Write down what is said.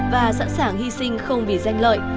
và sẵn sàng hy sinh không vì danh lợi